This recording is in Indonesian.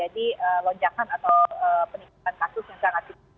lonjakan atau peningkatan kasus yang sangat tinggi